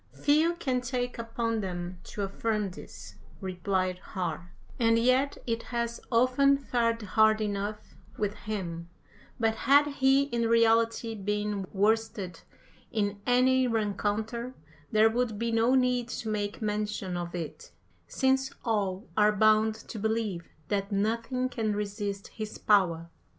"Few can take upon them to affirm this," replied Har, "and yet it has often fared hard enough with him; but had he in reality been worsted in any rencounter there would be no need to make mention of it, since all are bound to believe that nothing can resist his power."